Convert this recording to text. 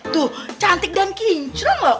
tuh cantik dan kincro loh